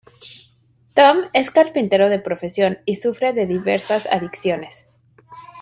Tom es carpintero de profesión, y sufre de diversas adicciones.